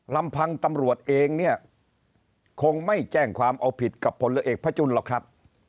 ลำพังตำรวจเองเนี่ยคงไม่แจ้งความเอาผิดกับพลเอกพระจุลหรอกครับ